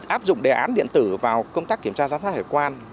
áp dụng đề án điện tử vào công tác kiểm tra giá sát hệ quan